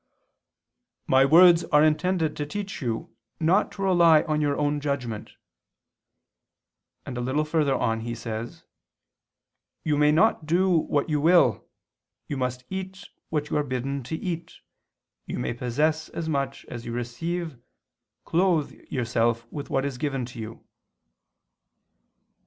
"My words are intended to teach you not to rely on your own judgment": and a little further on he says: "You may not do what you will; you must eat what you are bidden to eat, you may possess as much as you receive, clothe yourself with what is given to you."